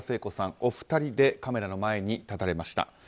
お二人でカメラの前に立たれました。